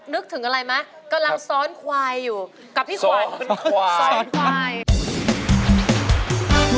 นึกถึงอะไรมะกำลังซ้อนควายอยู่กับพี่ขวาน